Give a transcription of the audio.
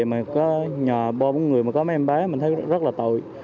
mà có nhà bốn người mà có mấy em bé mình thấy rất là tội